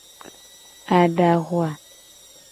Adava.